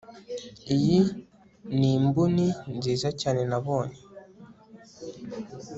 iyi ni imbuni nziza cyane nabonye